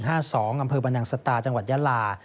ห้าสองอำเภอบนังสตาจังหวัดยะลา